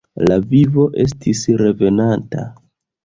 La vivo estis revenanta.